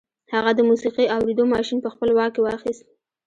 هغه د موسیقي اورېدو ماشين په خپل واک کې واخیست